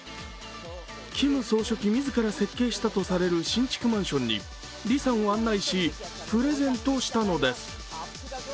キム総書記自ら設計したとされる新築マンションにリさんを案内し、プレゼントしたのです。